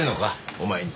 お前に。